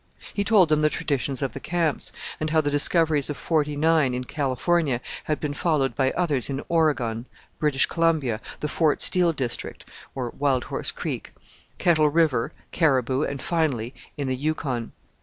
He told them the traditions of the camps, and how the discoveries of '49 in California had been followed by others in Oregon, British Columbia, the Fort Steele district (Wild Horse Creek), Kettle River, Caribou, and, finally, in the Yukon.